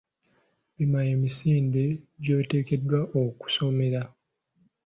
Pima emisinde kw'oteekeddwa okusomera.